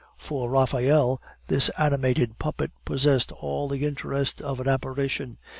For Raphael this animated puppet possessed all the interest of an apparition.